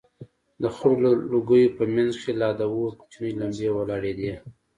د خړو لوگيو په منځ کښې لا د اور کوچنۍ لمبې ولاړېدې.